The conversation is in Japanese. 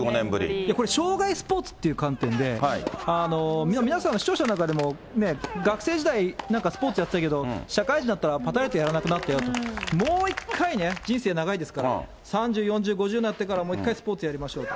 これ、生涯スポーツって観点で、皆さん、視聴者の中でも、学生時代、なんかスポーツやってたけど社会人になったらぱたりとやらなくなったよと、もう一回ね、人生長いですから、３０、４０、５０になっても、もう一回スポーツやりましょうと。